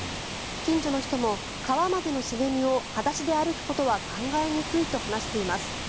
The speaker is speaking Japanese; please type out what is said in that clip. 近所の人も川までの茂みを裸足で歩くことは考えにくいと話しています。